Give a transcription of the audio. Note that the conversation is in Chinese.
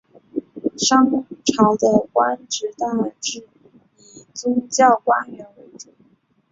商朝的官职大致以宗教官员为主。